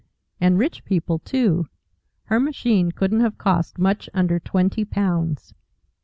And rich people, too! Her machine couldn't have cost much under twenty pounds.